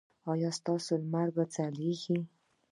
ایا ستاسو لمر به ځلیږي؟